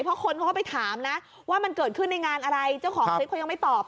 เพราะคนเขาก็ไปถามนะว่ามันเกิดขึ้นในงานอะไรเจ้าของคลิปเขายังไม่ตอบ